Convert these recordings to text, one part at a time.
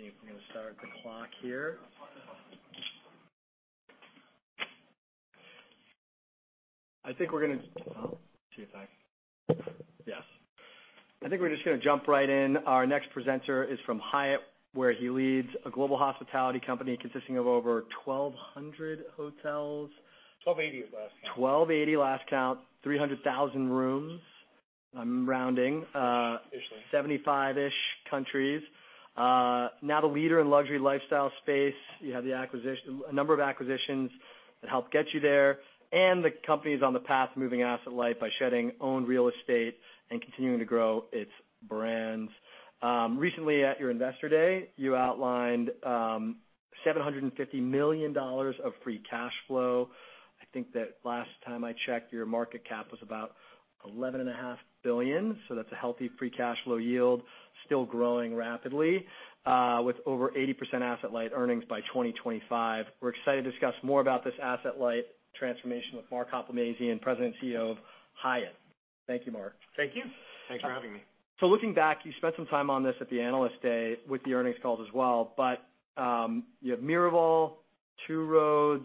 I'm gonna start the clock here. Oh. See if I. Yes. I think we're just gonna jump right in. Our next presenter is from Hyatt, where he leads a global hospitality company consisting of over 1,200 hotels? 1,280 at last count. 1,280 last count, 300,000 rooms, I'm rounding. Initially. 75-ish countries. Now the leader in luxury lifestyle space. You have a number of acquisitions that helped get you there. The company is on the path to moving asset light by shedding owned real estate and continuing to grow its brands. Recently at your Investor Day, you outlined $750 million of free cash flow. I think that last time I checked, your market cap was about $11.5 billion. That's a healthy free cash flow yield, still growing rapidly, with over 80% asset light earnings by 2025. We're excited to discuss more about this asset-light transformation with Mark Hoplamazian, President and CEO of Hyatt. Thank you, Mark. Thank you. Thanks for having me. Looking back, you spent some time on this at the Analyst Day with the earnings calls as well, you have Miraval, Two Roads,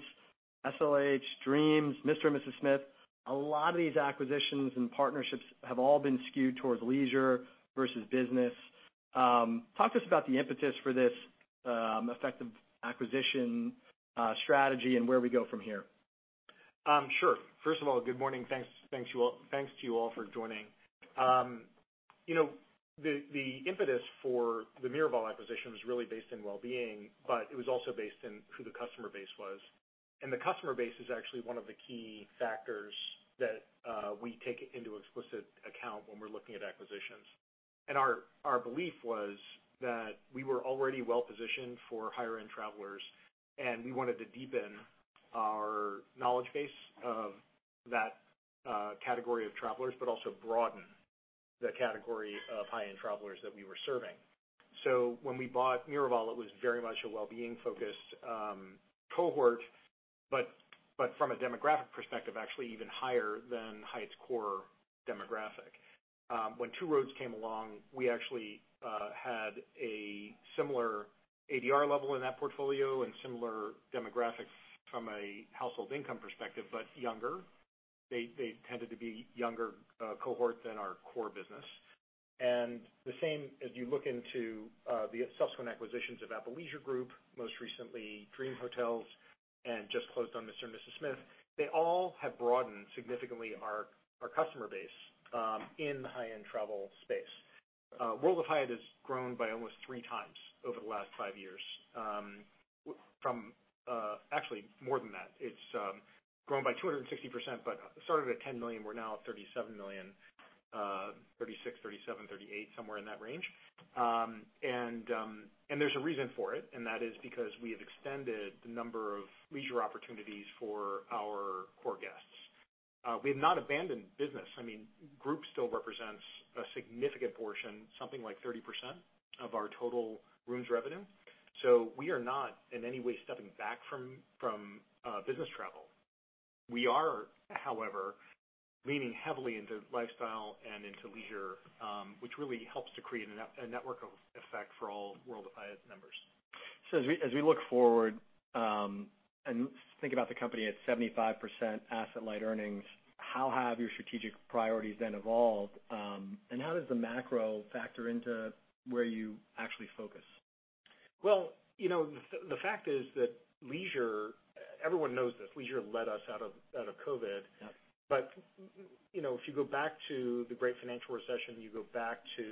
SLH, Dreams, Mr & Mrs Smith. A lot of these acquisitions and partnerships have all been skewed towards leisure versus business. Talk to us about the impetus for this effective acquisition strategy and where we go from here. Sure. First of all, good morning. Thanks to you all for joining. You know, the impetus for the Miraval acquisition was really based in wellbeing, but it was also based in who the customer base was. The customer base is actually one of the key factors that we take into explicit account when we're looking at acquisitions. Our belief was that we were already well positioned for higher-end travelers, and we wanted to deepen our knowledge base of that category of travelers, but also broaden the category of high-end travelers that we were serving. When we bought Miraval, it was very much a wellbeing-focused cohort, but from a demographic perspective, actually even higher than Hyatt's core demographic. When Two Roads came along, we actually had a similar ADR level in that portfolio and similar demographics from a household income perspective, but younger. They tended to be younger cohort than our core business. The same as you look into the subsequent acquisitions of Apple Leisure Group, most recently Dream Hotels, and just closed on Mr & Mrs Smith, they all have broadened significantly our customer base in the high-end travel space. World of Hyatt has grown by almost 3x over the last 5 years, actually, more than that. It's grown by 260%, but started at 10 million, we're now at 37 million, 36, 37, 38, somewhere in that range. There's a reason for it, and that is because we have extended the number of leisure opportunities for our core guests. We have not abandoned business. I mean, group still represents a significant portion, something like 30% of our total rooms revenue. We are not in any way stepping back from business travel. We are, however, leaning heavily into lifestyle and into leisure, which really helps to create a network of effect for all World of Hyatt members. as we look forward, and think about the company at 75% asset-light earnings, how have your strategic priorities then evolved, and how does the macro factor into where you actually focus? Well, you know, the fact is that leisure, everyone knows this, leisure led us out of COVID. Yep. You know, if you go back to the great financial recession, you go back to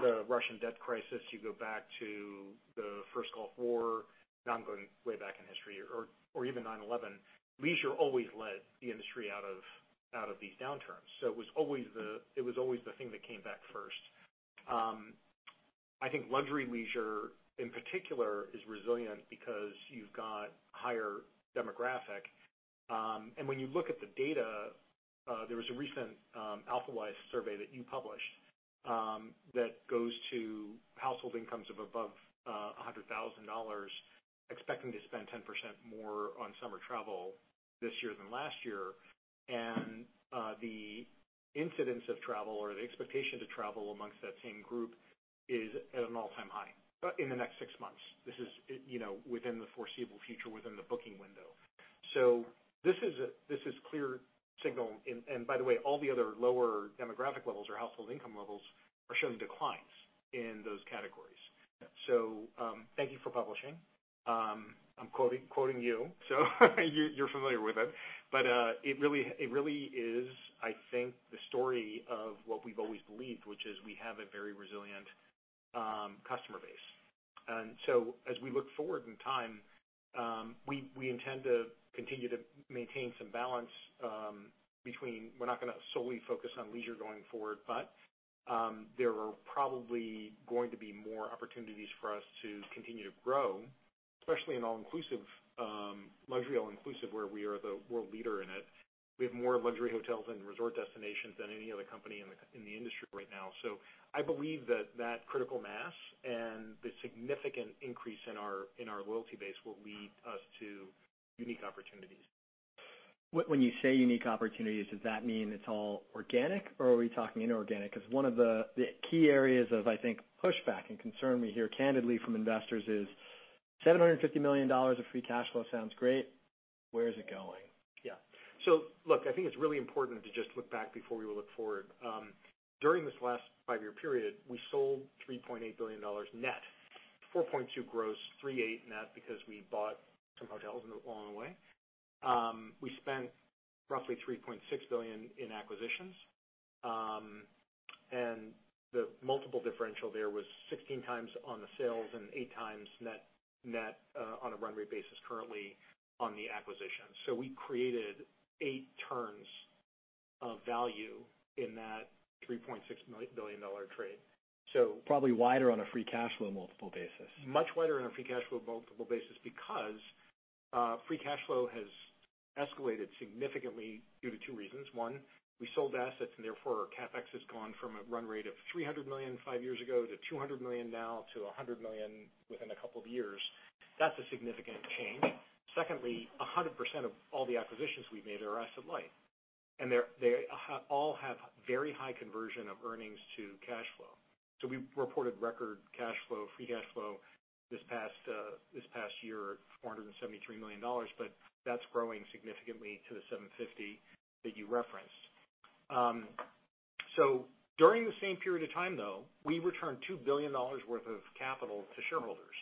the Russian debt crisis, you go back to the First Gulf War, now I'm going way back in history, or even 9/11, leisure always led the industry out of these downturns. It was always the thing that came back first. I think luxury leisure, in particular, is resilient because you've got higher demographic. When you look at the data, there was a recent AlphaWise survey that you published that goes to household incomes of above $100,000, expecting to spend 10% more on summer travel this year than last year. The incidence of travel or the expectation to travel amongst that same group is at an all-time high, in the next six months. This is, you know, within the foreseeable future, within the booking window. This is a clear signal, and by the way, all the other lower demographic levels or household income levels are showing declines in those categories. Yeah. Thank you for publishing. I'm quoting you, so you're familiar with it. It really is, I think, the story of what we've always believed, which is we have a very resilient customer base. As we look forward in time, we intend to continue to maintain some balance. We're not gonna solely focus on leisure going forward, but there are probably going to be more opportunities for us to continue to grow, especially in all-inclusive, luxury all-inclusive, where we are the world leader in it. We have more luxury hotels and resort destinations than any other company in the industry right now. I believe that critical mass and the significant increase in our loyalty base will lead us to unique opportunities.... When you say unique opportunities, does that mean it's all organic, or are we talking inorganic? One of the key areas of, I think, pushback and concern we hear candidly from investors is $750 million of free cash flow sounds great. Where is it going? Yeah. Look, I think it's really important to just look back before we look forward. During this last five-year period, we sold $3.8 billion net, $4.2 gross, $3.8 net, because we bought some hotels along the way. We spent roughly $3.6 billion in acquisitions. And the multiple differential there was 16x on the sales and 8x net, on a run rate basis currently on the acquisition. We created 8 turns of value in that $3.6 billion trade. Probably wider on a free cash flow multiple basis. Much wider on a free cash flow multiple basis because free cash flow has escalated significantly due to two reasons. One, we sold assets, and therefore, our CapEx has gone from a run rate of $300 million five years ago to $200 million now, to $100 million within a couple of years. That's a significant change. Secondly, 100% of all the acquisitions we've made are asset light, and they all have very high conversion of earnings to cash flow. We've reported record cash flow, free cash flow this past year, $473 million, but that's growing significantly to the $750 million that you referenced. During the same period of time, though, we returned $2 billion worth of capital to shareholders.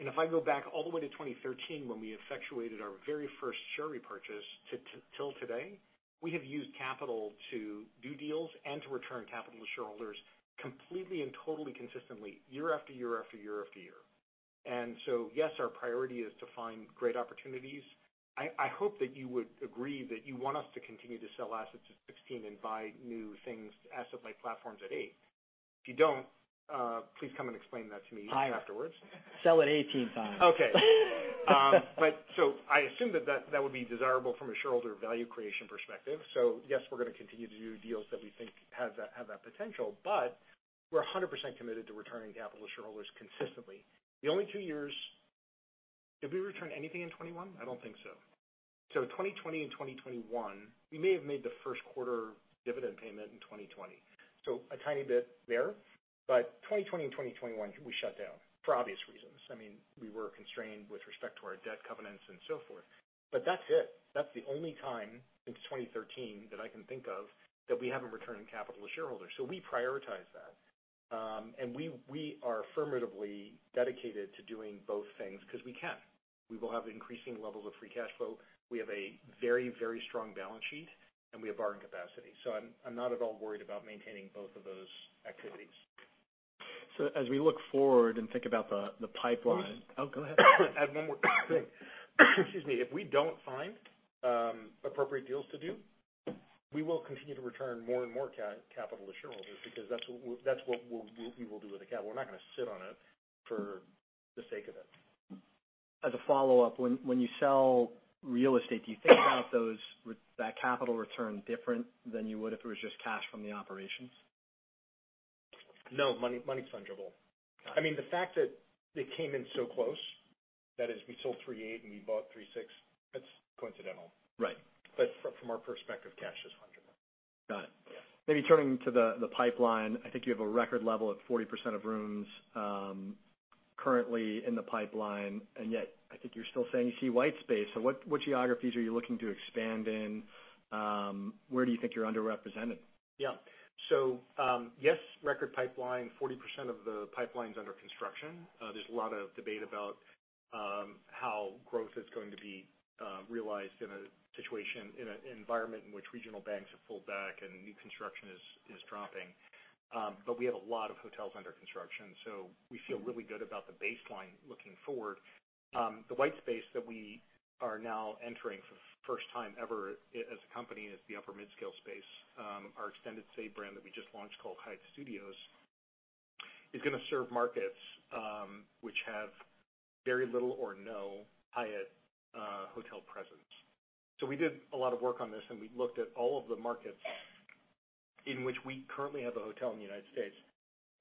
If I go back all the way to 2013, when we effectuated our very first share repurchase till today, we have used capital to do deals and to return capital to shareholders completely and totally consistently year after year, after year, after year. Yes, our priority is to find great opportunities. I hope that you would agree that you want us to continue to sell assets at 16x and buy new things, asset-light platforms at 8x. If you don't, please come and explain that to me afterwards. Higher. Sell at 18x. Okay. I assume that that would be desirable from a shareholder value creation perspective. Yes, we're going to continue to do deals that we think have that potential, but we're 100% committed to returning capital to shareholders consistently. The only two years... Did we return anything in 2021? I don't think so. 2020 and 2021, we may have made the first quarter dividend payment in 2020, so a tiny bit there. 2020 and 2021, we shut down for obvious reasons. I mean, we were constrained with respect to our debt covenants and so forth, but that's it. That's the only time since 2013 that I can think of, that we haven't returned capital to shareholders. We prioritize that. We are affirmatively dedicated to doing both things because we can. We will have increasing levels of free cash flow. We have a very strong balance sheet, and we have borrowing capacity. I'm not at all worried about maintaining both of those activities. As we look forward and think about the pipeline. Let me- Oh, go ahead. Add one more thing. Excuse me. If we don't find, appropriate deals to do, we will continue to return more and more capital to shareholders, because that's what we will do with the capital. We're not gonna sit on it for the sake of it. As a follow-up, when you sell real estate, do you think about those that capital return different than you would if it was just cash from the operations? No. Money, money's fungible. I mean, the fact that it came in so close, that is, we sold $3.8, and we bought $3.6, that's coincidental. Right. From our perspective, cash is fungible. Got it. Yeah. Maybe turning to the pipeline, I think you have a record level at 40% of rooms currently in the pipeline, and yet I think you're still saying you see white space. What, what geographies are you looking to expand in? Where do you think you're underrepresented? Yes, record pipeline, 40% of the pipeline's under construction. There's a lot of debate about how growth is going to be realized in a situation, in an environment in which regional banks have pulled back and new construction is dropping. We have a lot of hotels under construction, so we feel really good about the baseline looking forward. The white space that we are now entering for the first time ever as a company, is the upper-midscale space. Our extended stay brand that we just launched, called Hyatt Studios, is gonna serve markets which have very little or no Hyatt hotel presence. We did a lot of work on this, and we looked at all of the markets in which we currently have a hotel in the United States,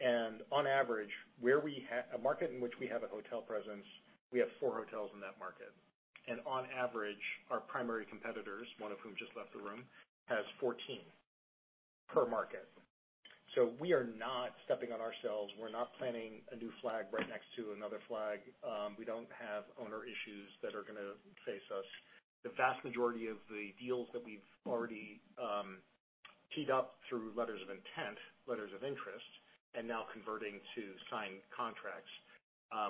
and on average, where we have a market in which we have a hotel presence, we have 4 hotels in that market. On average, our primary competitors, one of whom just left the room, has 14 per market. We are not stepping on ourselves. We're not planning a new flag right next to another flag. We don't have owner issues that are gonna face us. The vast majority of the deals that we've already teed up through letters of intent, letters of interest, and now converting to signed contracts,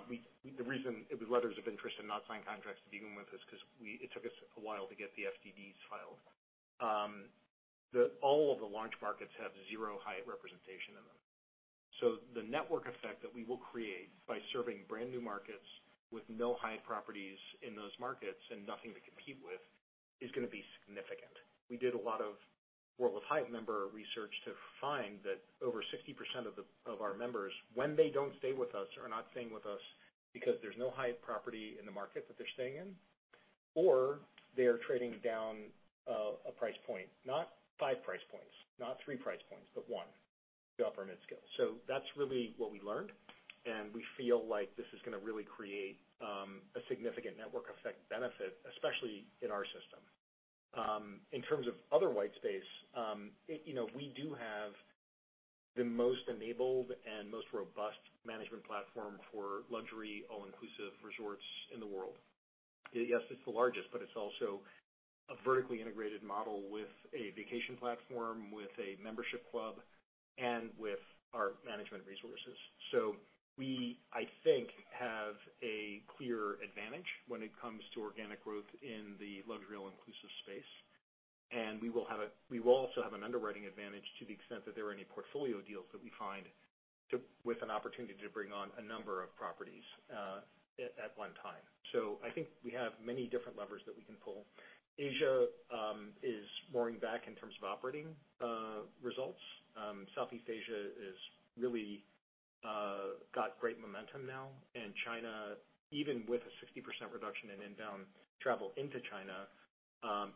we, the reason it was letters of interest and not signed contracts to begin with is because it took us a while to get the FDDs filed. All of the launch markets have zero Hyatt representation in them. The network effect that we will create by serving brand-new markets with no Hyatt properties in those markets and nothing to compete with is gonna be significant. We did a lot of work with Hyatt member research to find that over 60% of our members, when they don't stay with us, are not staying with us because there's no Hyatt property in the market that they're staying in, or they are trading down a price point, not 5 price points, not 3 price points, but 1, the upper-midscale. That's really what we learned, and we feel like this is gonna really create a significant network effect benefit, especially in our system. In terms of other white space, you know, we do have the most enabled and most robust management platform for luxury all-inclusive resorts in the world. Yes, it's the largest, but it's also a vertically integrated model with a vacation platform, with a membership club, and with our management resources. We, I think, have a clear advantage when it comes to organic growth in the luxury all-inclusive space, and we will also have an underwriting advantage to the extent that there are any portfolio deals that we find with an opportunity to bring on a number of properties at one time. I think we have many different levers that we can pull. Asia is roaring back in terms of operating results. Southeast Asia is really got great momentum now, and China, even with a 60% reduction in inbound travel into China,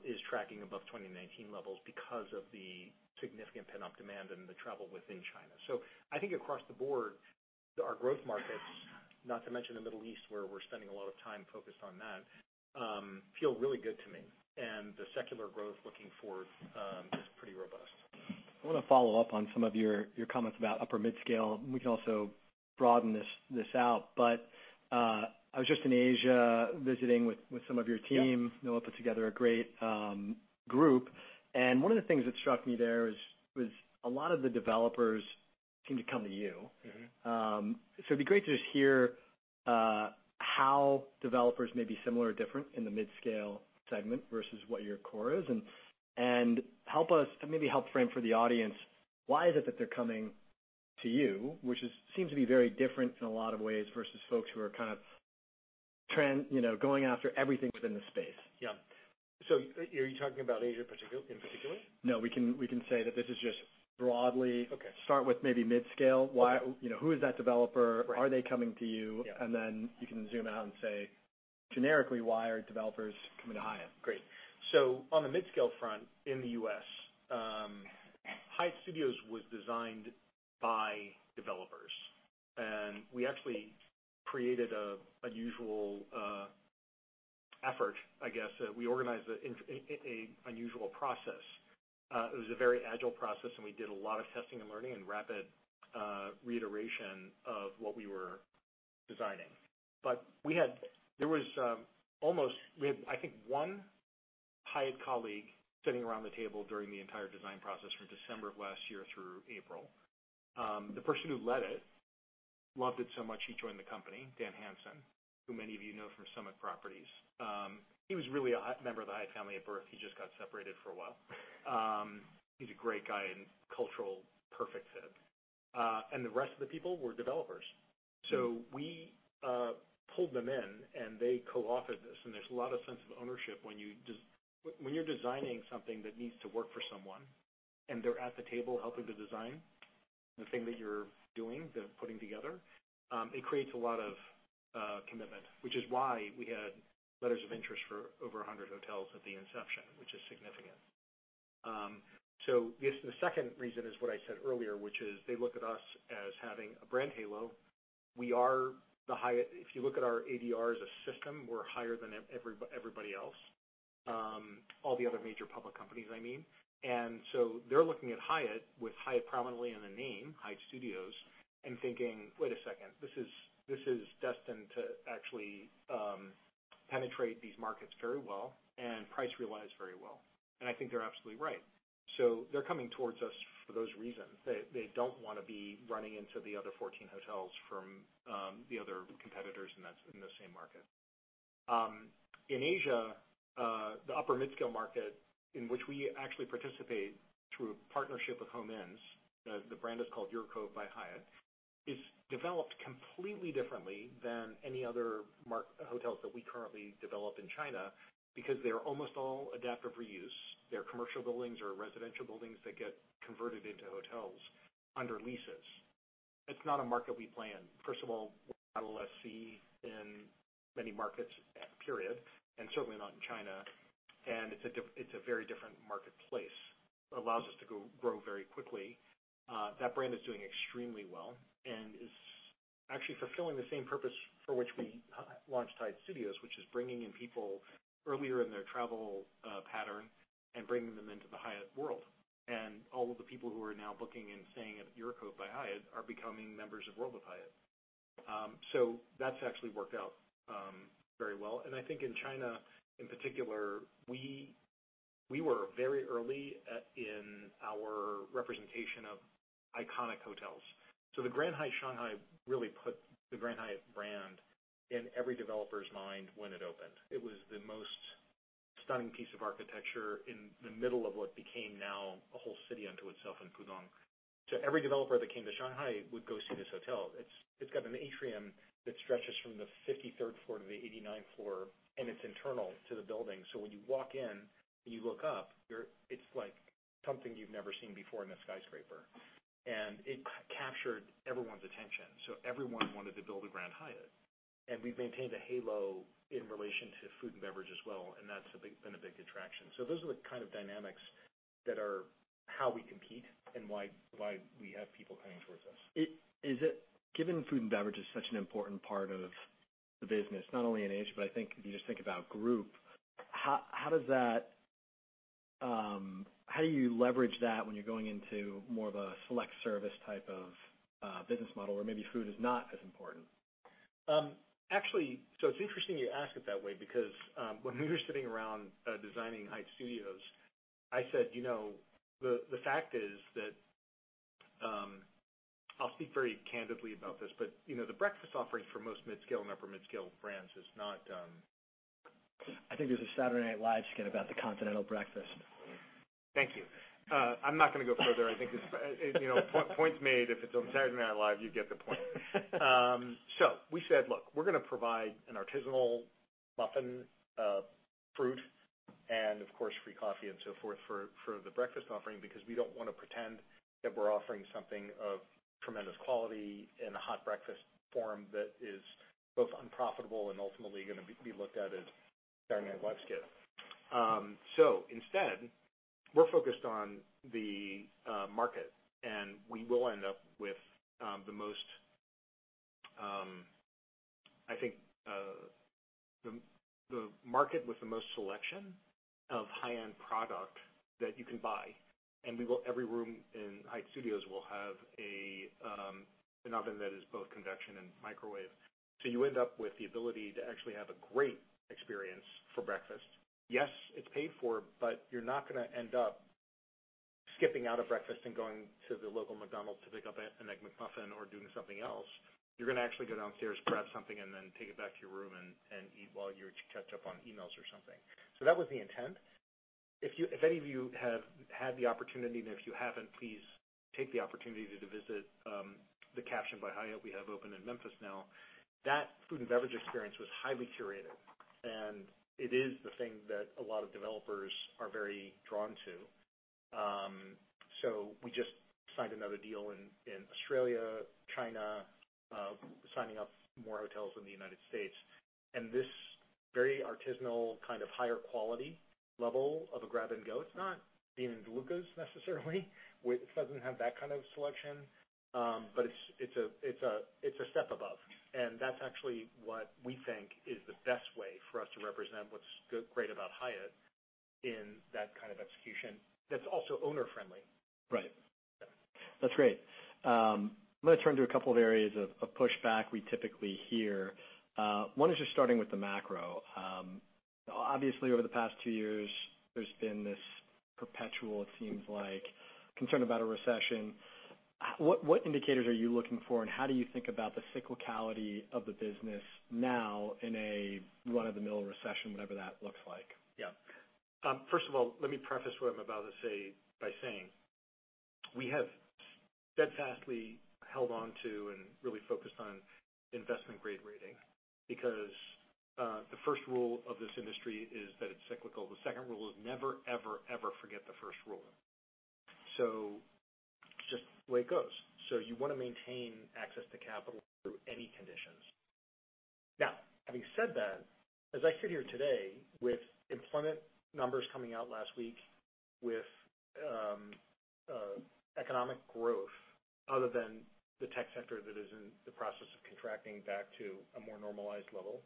is tracking above 2019 levels because of the significant pent-up demand and the travel within China. I think across the board, our growth markets, not to mention the Middle East, where we're spending a lot of time focused on that, feel really good to me, and the secular growth looking forward, is pretty robust. I want to follow up on some of your comments about upper mid-scale. We can also broaden this out, but, I was just in Asia visiting with some of your team. Yeah. Noah put together a great group, and one of the things that struck me there was a lot of the developers seem to come to you. Mm-hmm. It'd be great to just hear how developers may be similar or different in the mid-scale segment versus what your core is, and maybe help frame for the audience, why is it that they're coming to you, which seems to be very different in a lot of ways, versus folks who are kind of trend, going after everything within the space? Yeah. Are you talking about Asia in particular? No, we can say that this is just broadly. Okay. Start with maybe mid-scale. Okay. Why, you know, who is that developer? Right. Are they coming to you? Yeah. You can zoom out and say, generically, why are developers coming to Hyatt? Great. On the mid-scale front, in the U.S., Hyatt Studios was designed by developers, we actually created a unusual effort, I guess. We organized a unusual process. It was a very agile process, we did a lot of testing and learning and rapid reiteration of what we were designing. There was, almost, we had, I think, one Hyatt colleague sitting around the table during the entire design process from December of last year through April. The person who led it loved it so much, he joined the company, Dan Hansen, who many of you know from Summit Hotel Properties. He was really a member of the Hyatt family at birth. He just got separated for a while. He's a great guy and cultural perfect fit. The rest of the people were developers. Mm-hmm. We pulled them in, and they co-authored this, and there's a lot of sense of ownership when you're designing something that needs to work for someone, and they're at the table helping to design the thing that you're doing, the putting together, it creates a lot of commitment, which is why we had letters of interest for over 100 hotels at the inception, which is significant. The second reason is what I said earlier, which is they look at us as having a brand halo. If you look at our ADR as a system, we're higher than everybody else, all the other major public companies, I mean. They're looking at Hyatt, with Hyatt prominently in the name, Hyatt Studios, and thinking: Wait a second, this is destined to actually penetrate these markets very well and price realize very well. I think they're absolutely right. They're coming towards us for those reasons. They don't want to be running into the other 14 hotels from the other competitors in the same market. In Asia, the upper mid-scale market, in which we actually participate through a partnership with Home Inns, the brand is called UrCove by Hyatt, is developed completely differently than any other hotels that we currently develop in China, because they're almost all adaptive reuse. They're commercial buildings or residential buildings that get converted into hotels under leases. It's not a market we plan. First of all, we're not LLC in many markets, period. Certainly not in China, it's a very different marketplace, allows us to grow very quickly. That brand is doing extremely well and is actually fulfilling the same purpose for which we launched Hyatt Studios, which is bringing in people earlier in their travel pattern and bringing them into the Hyatt world. All of the people who are now booking and staying at UrCove by Hyatt are becoming members of World of Hyatt. That's actually worked out very well. I think in China, in particular, we were very early in our representation of iconic hotels. The Grand Hyatt Shanghai really put the Grand Hyatt brand in every developer's mind when it opened. It was the most stunning piece of architecture in the middle of what became now a whole city unto itself in Pudong. Every developer that came to Shanghai would go see this hotel. It's got an atrium that stretches from the 53rd floor to the 89th floor, and it's internal to the building. When you walk in and you look up, it's like something you've never seen before in a skyscraper, and it captured everyone's attention, everyone wanted to build a Grand Hyatt. We've maintained a halo in relation to food and beverage as well, that's been a big attraction. Those are the kind of dynamics that are how we compete and why we have people coming towards us. Is it, given food and beverage is such an important part of the business, not only in Asia, but I think if you just think about group, how does that, how do you leverage that when you're going into more of a select service type of business model, where maybe food is not as important? Actually, it's interesting you ask it that way, because, when we were sitting around, designing Hyatt Studios, I said, "You know, the fact is that..." I'll speak very candidly about this, you know, the breakfast offerings for most mid-scale and upper mid-scale brands is not... I think there's a Saturday Night Live skit about the continental breakfast. Thank you. I'm not gonna go further. I think it's, you know, point's made. If it's on Saturday Night Live, you get the point. We said, "Look, we're gonna provide an artisanal muffin, fruit, and, of course, free coffee and so forth for the breakfast offering, because we don't want to pretend that we're offering something of tremendous quality in a hot breakfast form that is both unprofitable and ultimately gonna be looked at as a Saturday Night Live skit." Instead, we're focused on the market, and we will end up with the most... I think, the market with the most selection of high-end product that you can buy, and every room in Hyatt Studios will have an oven that is both convection and microwave. You end up with the ability to actually have a great experience for breakfast. Yes, it's paid for, you're not gonna end up skipping out of breakfast and going to the local McDonald's to pick up a Egg McMuffin or doing something else. You're gonna actually go downstairs, grab something, and then take it back to your room and eat while you catch up on emails or something. That was the intent. If you, if any of you have had the opportunity, and if you haven't, please take the opportunity to visit the Caption by Hyatt we have open in Memphis now. That food and beverage experience was highly curated, and it is the thing that a lot of developers are very drawn to. We just signed another deal in Australia, China, signing up more hotels in the United States. This very artisanal, kind of higher quality level of a grab-and-go, it's not Dean & DeLuca necessarily. It doesn't have that kind of selection, but it's a step above, and that's actually what we think is the best way for us to represent what's great about Hyatt in that kind of execution, that's also owner-friendly. Right. That's great. I'm gonna turn to a couple of areas of pushback we typically hear. One is just starting with the macro. Obviously, over the past two years, there's been this perpetual, it seems like, concern about a recession. What indicators are you looking for, and how do you think about the cyclicality of the business now in a run-of-the-mill recession, whatever that looks like? Yeah. First of all, let me preface what I'm about to say by saying, we have steadfastly held on to, and really focused on, investment-grade rating, because the first rule of this industry is that it's cyclical. The second rule is never, ever forget the first rule. Just the way it goes. You wanna maintain access to capital through any conditions. Now, having said that, as I sit here today, with employment numbers coming out last week, with economic growth, other than the tech sector that is in the process of contracting back to a more normalized level,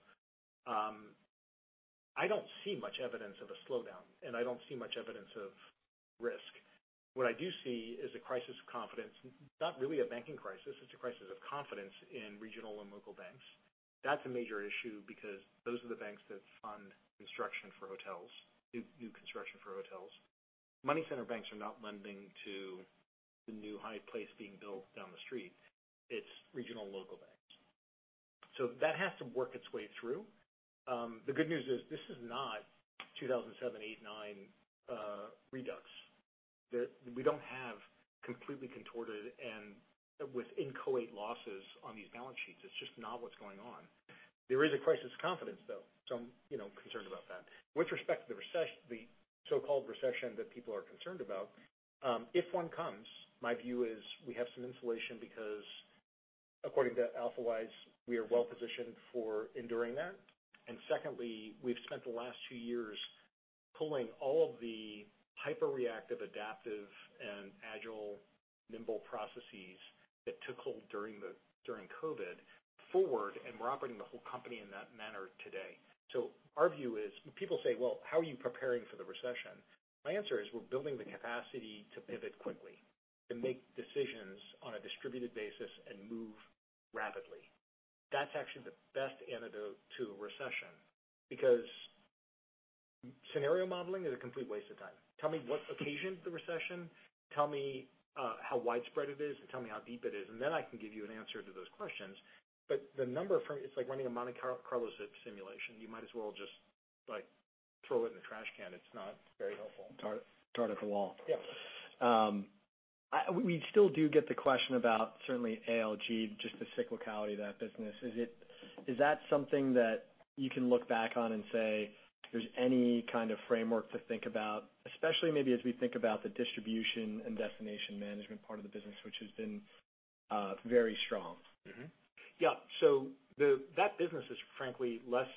I don't see much evidence of a slowdown, and I don't see much evidence of risk. What I do see is a crisis of confidence, not really a banking crisis. It's a crisis of confidence in regional and local banks. That's a major issue because those are the banks that fund construction for hotels, new construction for hotels. Money center banks are not lending to the new Hyatt Place being built down the street. It's regional and local banks. That has to work its way through. The good news is this is not 2007, 2008, 2009 redux. We don't have completely contorted and with inchoate losses on these balance sheets. It's just not what's going on. There is a crisis of confidence, though, so I'm, you know, concerned about that. With respect to the so-called recession that people are concerned about, if one comes, my view is we have some insulation because according to AlphaWise, we are well positioned for enduring that. Secondly, we've spent the last two years pulling all of the hyperreactive, adaptive, agile, nimble processes that took hold during COVID forward. We're operating the whole company in that manner today. Our view is: When people say: Well, how are you preparing for the recession? My answer is: We're building the capacity to pivot quickly, to make decisions on a distributed basis and move rapidly. That's actually the best antidote to a recession, because scenario modeling is a complete waste of time. Tell me what occasioned the recession, tell me how widespread it is, and tell me how deep it is. Then I can give you an answer to those questions. The number of it's like running a Monte Carlo simulation. You might as well just, like, throw it in the trash can. It's not very helpful. dart at the wall. Yeah. We still do get the question about certainly ALG, just the cyclicality of that business. Is that something that you can look back on and say there's any kind of framework to think about, especially maybe as we think about the distribution and destination management part of the business, which has been very strong? Mm-hmm. Yeah. That business is frankly less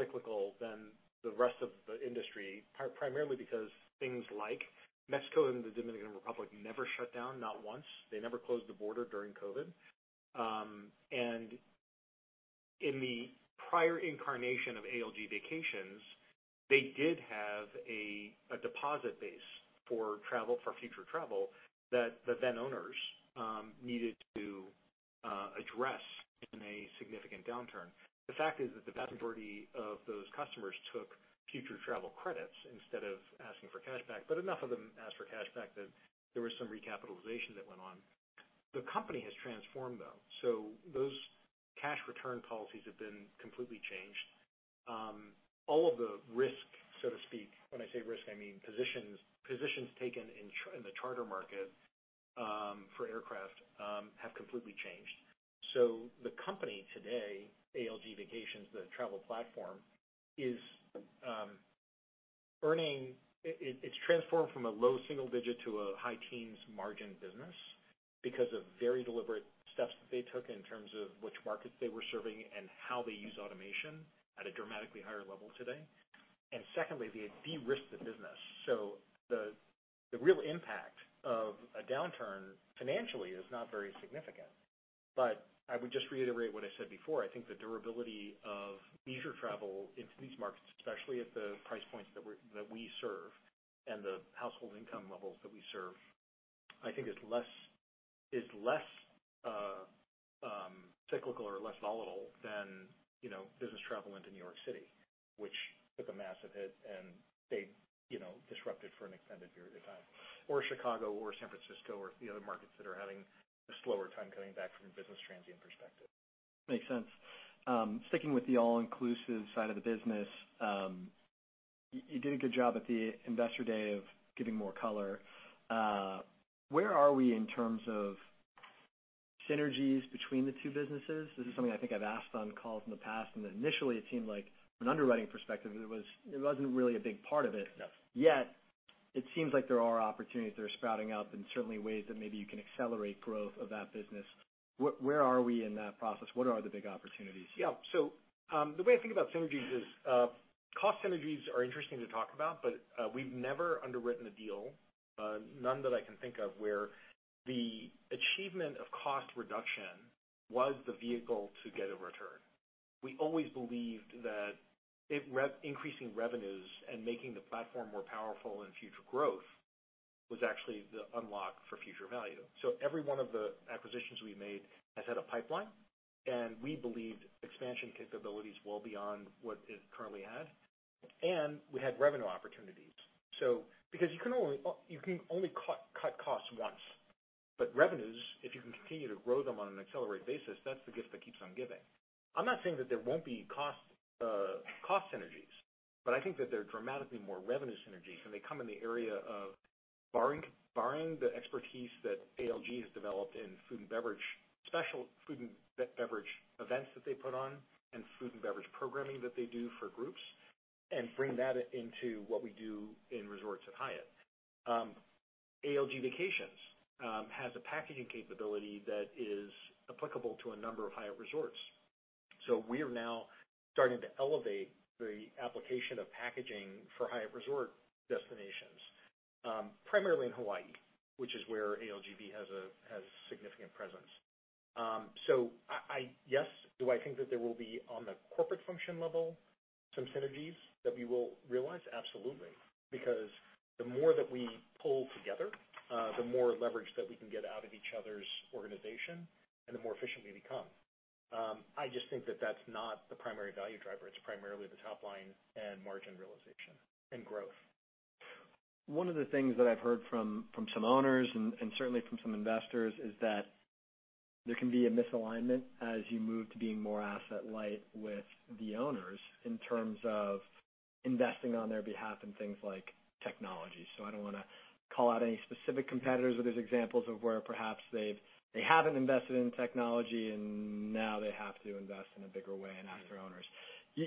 cyclical than the rest of the industry, primarily because things like Mexico and the Dominican Republic never shut down, not once. They never closed the border during COVID. In the prior incarnation of ALG Vacations, they did have a deposit base for travel, for future travel, that the then owners needed to address in a significant downturn. The fact is that the vast majority of those customers took future travel credits instead of asking for cash back, but enough of them asked for cash back that there was some recapitalization that went on. The company has transformed, though, so those cash return policies have been completely changed. All of the risk, so to speak, when I say risk, I mean positions taken in the charter market, for aircraft, have completely changed. The company today, ALG Vacations, the travel platform, is earning. It's transformed from a low single-digit to a high-teens margin business because of very deliberate steps that they took in terms of which markets they were serving and how they use automation at a dramatically higher level today. Secondly, they de-risked the business, so the real impact of a downturn financially is not very significant. I would just reiterate what I said before, I think the durability of leisure travel into these markets, especially at the price points that we serve, and the household income levels that we serve, I think is less cyclical or less volatile than, you know, business travel into New York City, which took a massive hit and stayed, you know, disrupted for an extended period of time, or Chicago or San Francisco or the other markets that are having a slower time coming back from a business transient perspective. Makes sense. Sticking with the all-inclusive side of the business, you did a good job at the investor day of giving more color. Where are we in terms of synergies between the two businesses? This is something I think I've asked on calls in the past. Initially it seemed like from an underwriting perspective, it wasn't really a big part of it. Yes. It seems like there are opportunities that are sprouting up and certainly ways that maybe you can accelerate growth of that business. Where are we in that process? What are the big opportunities? Yeah. The way I think about synergies is, cost synergies are interesting to talk about, but, we've never underwritten a deal, none that I can think of, where the achievement of cost reduction was the vehicle to get a return. We always believed that it increasing revenues and making the platform more powerful and future growth was actually the unlock for future value. Every one of the acquisitions we made has had a pipeline, and we believed expansion capabilities well beyond what it currently had, and we had revenue opportunities. Because you can only, you can only cut costs once, but revenues, if you can continue to grow them on an accelerated basis, that's the gift that keeps on giving. I'm not saying that there won't be cost synergies, but I think that there are dramatically more revenue synergies, and they come in the area of borrowing the expertise that ALG has developed in food and beverage, special food and beverage events that they put on, and food and beverage programming that they do for groups, and bring that into what we do in resorts at Hyatt. ALG Vacations has a packaging capability that is applicable to a number of Hyatt resorts. We are now starting to elevate the application of packaging for Hyatt Resort destinations, primarily in Hawaii, which is where ALGV has significant presence. Yes, do I think that there will be, on the corporate function level, some synergies that we will realize? Absolutely, because the more that we pull together, the more leverage that we can get out of each other's organization and the more efficient we become. I just think that that's not the primary value driver. It's primarily the top line and margin realization and growth. One of the things that I've heard from some owners and certainly from some investors, is that there can be a misalignment as you move to being more asset light with the owners in terms of investing on their behalf in things like technology. I don't wanna call out any specific competitors, but there's examples of where perhaps they haven't invested in technology, and now they have to invest in a bigger way and after owners.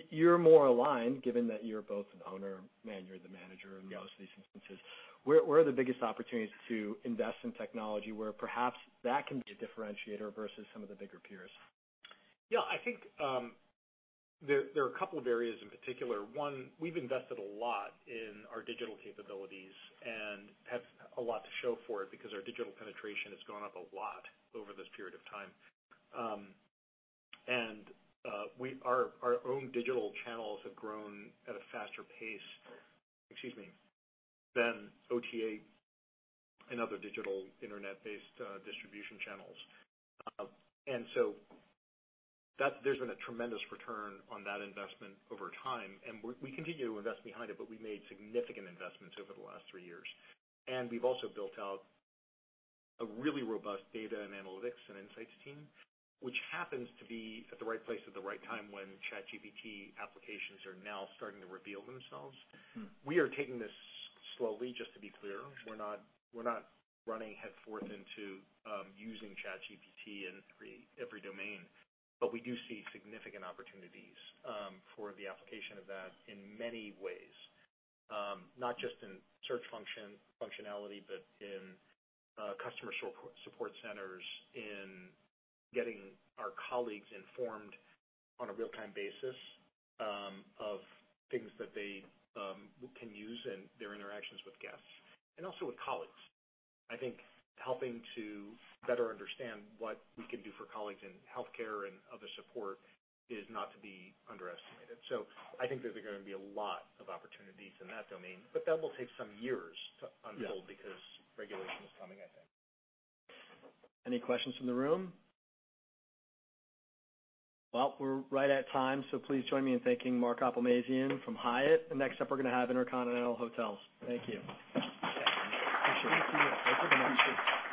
You're more aligned, given that you're both an owner and you're the manager. Yeah in most of these instances. Where, where are the biggest opportunities to invest in technology, where perhaps that can be a differentiator versus some of the bigger peers? Yeah, I think, there are a couple of areas in particular. One, we've invested a lot in our digital capabilities and have a lot to show for it, because our digital penetration has gone up a lot over this period of time. Our own digital channels have grown at a faster pace, excuse me, than OTA and other digital internet-based distribution channels. There's been a tremendous return on that investment over time, and we continue to invest behind it, but we made significant investments over the last three years. We've also built out a really robust data and analytics and insights team, which happens to be at the right place at the right time when ChatGPT applications are now starting to reveal themselves. Hmm. We are taking this slowly, just to be clear. We're not running headfirst into using ChatGPT in every domain, but we do see significant opportunities for the application of that in many ways. Not just in search functionality, but in customer support centers, in getting our colleagues informed on a real-time basis of things that they can use in their interactions with guests and also with colleagues. I think helping to better understand what we can do for colleagues in healthcare and other support is not to be underestimated. I think there's going to be a lot of opportunities in that domain, but that will take some years to unfold. Yeah Because regulation is coming, I think. Any questions from the room? Well, we're right at time. Please join me in thanking Mark Hoplamazian from Hyatt. Next up, we're going to have InterContinental Hotels. Thank you. Appreciate it. Thank you. Thank you very much. Appreciate it.